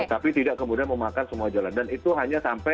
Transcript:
tapi tidak kemudian memakan semua jalan dan itu hanya sampai enam tiga puluh